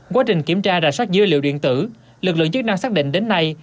quá trình kiểm tra rà soát dữ liệu điện tử lực lượng chức năng xác định đến nay